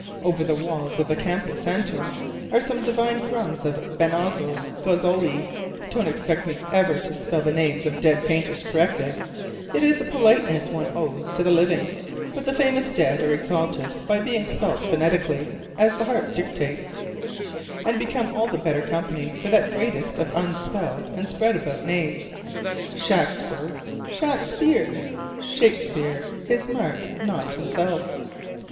Over the walls of the Campo Santo are some divine crumbs of Benozzo Gozzoli (don't expect me ever to spell the names of dead painters correctly: it is a politeness one owes to the living, but the famous dead are exalted by being spelt phonetically as the heart dictates, and become all the better company for that greatest of unspelled and spread about names Shakspere, Shakspeare, Shakespeare his mark, not himself).